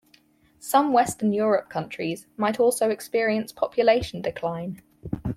Some Western Europe countries might also experience population decline.